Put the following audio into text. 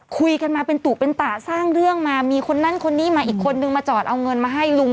คุยกันมาเป็นตุเป็นตะสร้างเรื่องมามีคนนั้นคนนี้มาอีกคนนึงมาจอดเอาเงินมาให้ลุง